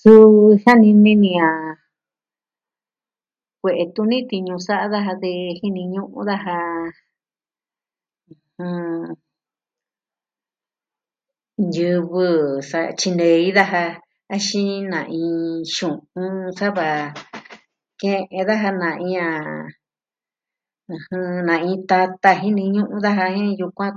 Suu jiani ni a kue'e tuni tiñu sa'a daja de jini ñuu daja, jɨn... ñivɨ sa tyinei daja. axin na'in xu'un sava, ke'en daja na'in a, ɨjɨn, na'in tata jini ñu'un daja yukuan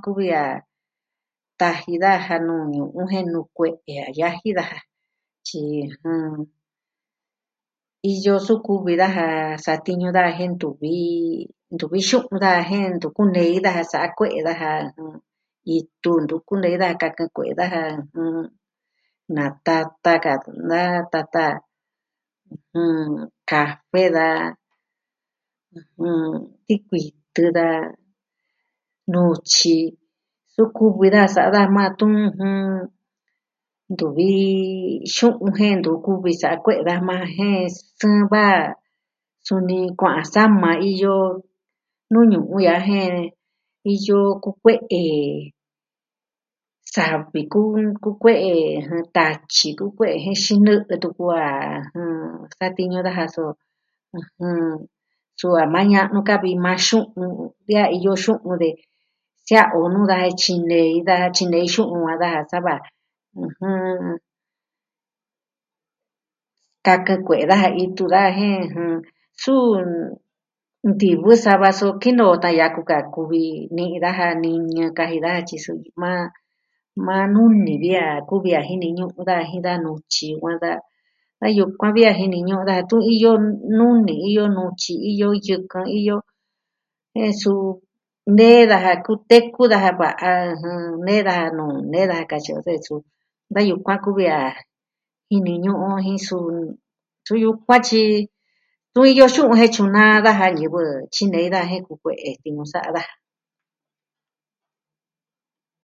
kuvi a taji daja nuu ñu'un jen nuu kue'e a yaji daja. Tyi, jɨn... Iyo suku vi daja satiñu da jen ntuvi... ntuvi xu'un daa jen ntu kunei daja sa'a kue'e daja. Itu ntu kunei da kaka kue'e daja Na tata ka... na tata, kafe daa. ɨjɨn... tikuitɨ daa, nutyi, suu kuvi daa sa'a daa maa tun ju. Ntuvi xu'un jen ntu kuvi sa'a kue'e daa ma jen, sava. Suni kuaan sama iyo nuu ñu'un daa jen iyo kukue'e. Savi kuun kukue'e tatyi kukue'e jen xinɨ'ɨ tuku a satiñu daja suu, suu a maña'nu ka'vi maa xu'un de a iyo xu'un de, sia'un nuu daa e tyinei daa tyinei xu'un a daa sava, ɨjɨn... kaka kue'e daja itu daa suun. nti'vɨ sava su kinoo tan yaku ka kuvi ni daja niñɨ kaji daa tyi, suu, maa... maa nuu ni vi a kuvi a jini ñu'un da je da nutyi va daa. A yukuan vi a jini ñu'un da tun iyo nuni, iyo nutyi iyo yɨkɨn, iyo, e suu de daja kuteku daja kua'an nee daja nuu nee daja katyi o suu, da yukuan kuvi a jini ñu'un jin suu, tyu yukuatyi, tu iyo xu'un jen tyunaa daja ñivɨ tyinei da jen kukue'e tiñu sa'a daja.